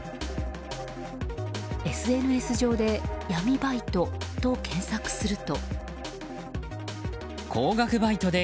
ＳＮＳ上で「闇バイト」と検索すると。